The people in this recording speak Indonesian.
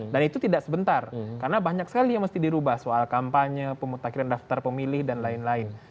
dan itu tidak sebentar karena banyak sekali yang mesti dirubah soal kampanye pemutakiran daftar pemilih dan lain lain